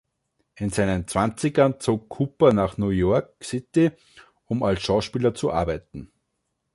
In seinen Zwanzigern zog Cooper nach New York City, um als Schauspieler zu arbeiten.